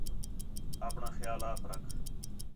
اپݨاں خیال آپ رکھ